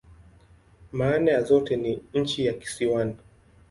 Maana ya zote ni "nchi ya kisiwani.